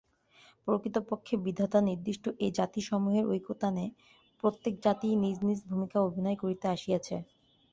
প্রকৃতপক্ষে বিধাতানির্দিষ্ট এই জাতিসমূহের ঐকতানে প্রত্যেক জাতিই নিজ নিজ ভূমিকা অভিনয় করিতে আসিয়াছে।